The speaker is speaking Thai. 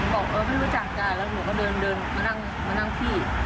บอกเออไม่รู้จักกันแล้วหนูก็เดินมานั่งที่